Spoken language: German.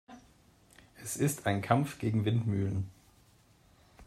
Es ist ein Kampf gegen Windmühlen.